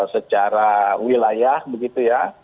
secara wilayah begitu ya